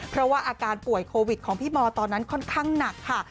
เพราะว่าอาการป่วยโควิดของพี่มอตอนนั้นค่อนข้างหนักค่ะ